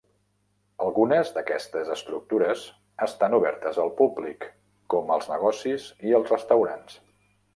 Algunes d"aquestes estructures estan obertes al públic, com els negocis i els restaurants.